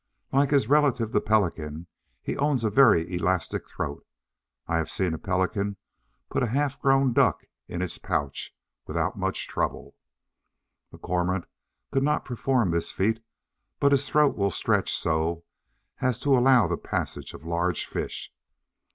Like his relative the Pelican, he owns a very elastic throat. I have seen a Pelican put a half grown duck in its pouch, without much trouble. The Cormorant could not perform this feat, but his throat will stretch so as to allow the passage of large fish.